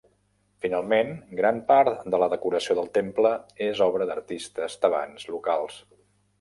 Finalment, gran part de la decoració del temple és obra d'artistes tebans locals.